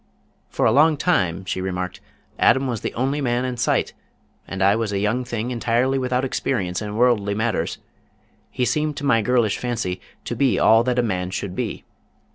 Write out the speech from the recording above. "For a long time," she remarked, "Adam was the only man in sight, and I was a young thing entirely without experience in worldly matters. He seemed to my girlish fancy to be all that a man should be.